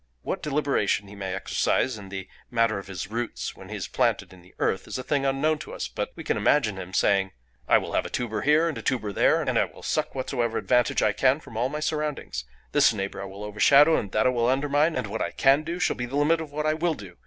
What deliberation he may exercise in the matter of his roots when he is planted in the earth is a thing unknown to us, but we can imagine him saying, 'I will have a tuber here and a tuber there, and I will suck whatsoever advantage I can from all my surroundings. This neighbour I will overshadow, and that I will undermine; and what I can do shall be the limit of what I will do.